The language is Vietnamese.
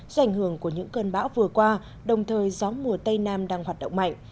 do ảnh hưởng của những cơn bão vừa qua đồng thời gió mùa tây nam đang hoạt động mạnh